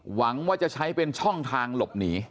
หวังว่าจะใช้เป็นช่องทางหลบหนี